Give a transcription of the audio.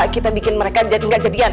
kita bikin mereka jadi nggak jadian